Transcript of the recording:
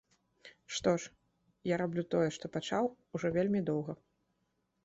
Што ж, я раблю тое, што пачаў, ужо вельмі доўга.